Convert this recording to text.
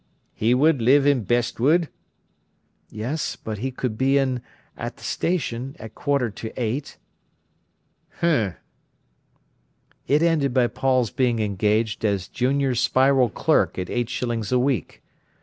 "He would live in Bestwood?" "Yes; but he could be in—at the station—at quarter to eight." "H'm!" It ended by Paul's being engaged as junior spiral clerk at eight shillings a week.